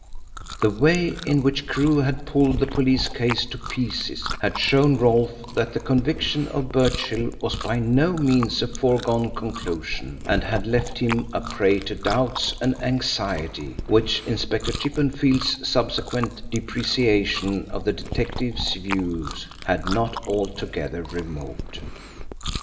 The way in which Crewe had pulled the police case to pieces had shown Rolfe that the conviction of Birchill was by no means a foregone conclusion, and had left him a prey to doubts and anxiety which Inspector Chippenfield's subsequent depreciation of the detective's views had not altogether removed.